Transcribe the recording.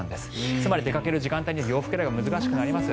つまり出かける時間帯によって洋服選びが難しくなります。